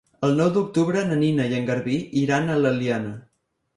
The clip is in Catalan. El nou d'octubre na Nina i en Garbí iran a l'Eliana.